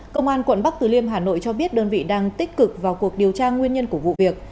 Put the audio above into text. công an quận bắc từ liêm hà nội cho biết đơn vị đang tích cực vào cuộc điều tra nguyên nhân của vụ việc